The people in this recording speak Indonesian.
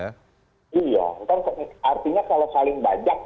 karena artinya kalau saling bajak